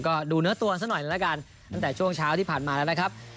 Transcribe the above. ก็ดูเนื้อตัวซะหน่อยหนึ่งแล้วกันตั้งแต่ช่วงเช้าที่ผ่านมาแล้วนะครับ